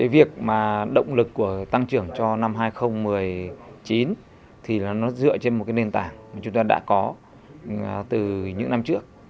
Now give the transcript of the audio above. việc động lực tăng trưởng cho năm hai nghìn một mươi chín dựa trên nền tảng chúng ta đã có từ những năm trước